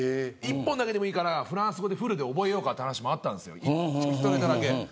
１本だけでもいいからフランス語でフルで覚えようかっていう話もあったんですよ、１ネタだけ。